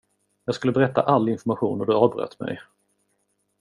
Jag skulle berätta all information och du avbröt mig.